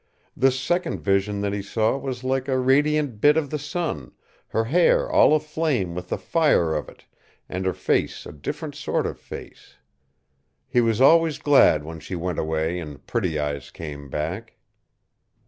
This second vision that he saw was like a radiant bit of the sun, her hair all aflame with the fire of it and her face a different sort of face. He was always glad when she went away and Pretty Eyes came back.